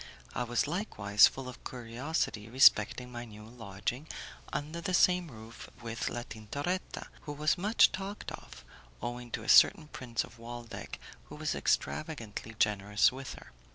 I was likewise full of curiosity respecting my new lodging under the same roof with La Tintoretta, who was much talked of, owing to a certain Prince of Waldeck who was extravagantly generous with her.